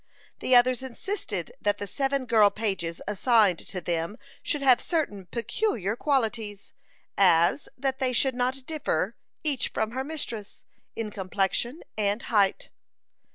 The others insisted that the seven girl pages assigned to them should have certain peculiar qualities, as, that they should not differ, each from her mistress, in complexion and height.